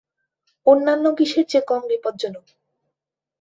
অন্যান্য কিসের চেয়ে কম বিপজ্জনক?